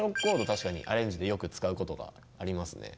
確かにアレンジでよく使うことがありますね。